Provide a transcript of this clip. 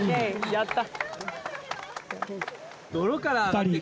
やった。